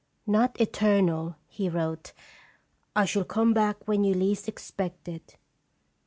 'Not eternal,' he wrote; M shall come back when you least expect it.'"